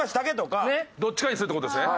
どっちかにするって事ですね。